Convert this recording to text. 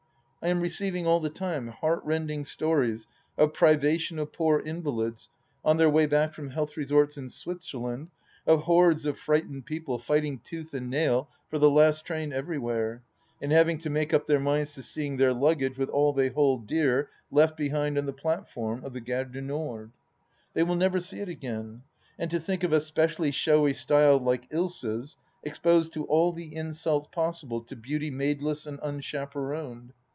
I am receiving all the time heart rendiog stories of privation of poor invalids on their way back from health resorts in Switzer land, of hordes of frightened people fighting tooth and nail for the last train everywhere, and having to make up their minds to seeing their luggage with all they hold dear left behind on the platform of the Gare Du Nord. They will never see it again. And to think of a specially showy style like Ilsa's exposed to all the insults possible to beauty maid less and unchaperoned